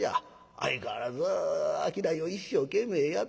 相変わらず商いを一生懸命やってなはる。